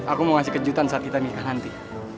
aku mau ngasih kejutan saat kita nikah nanti